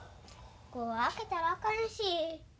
ここ開けたらあかんし。